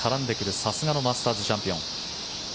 さすがのマスターズチャンピオン。